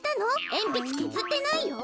えんぴつけずってないよ。